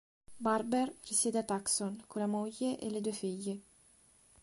Barber risiede a Tucson con la moglie e le due figlie.